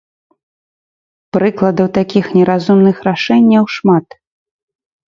Прыкладаў такіх неразумных рашэнняў шмат.